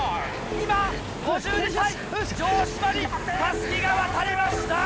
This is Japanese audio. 今５２歳城島に襷が渡りました！